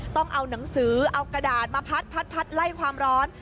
ต้องเอาหนังสือเอากระดาษมาพัดไล่ความร้อน